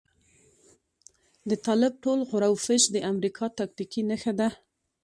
د طالب ټول غور او پش د امريکا تاکتيکي نښه ده.